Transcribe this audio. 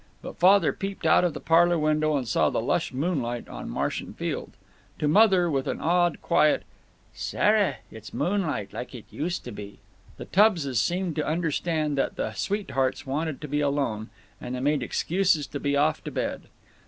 But Father peeped out of the parlor window and saw the lush moonlight on marsh and field. To Mother, with an awed quiet, "Sarah, it's moonlight, like it used to be " The Tubbses seemed to understand that the sweethearts wanted to be alone, and they made excuses to be off to bed.